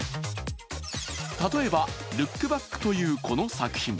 例えば、「ルックバック」というこの作品。